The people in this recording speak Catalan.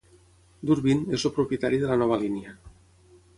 Durbin, es el propietari de la nova línia.